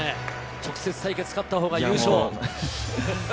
直接対決、勝ったほうが優勝。